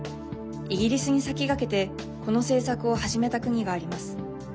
イギリスに先駆けてこの政策を始めた国があります。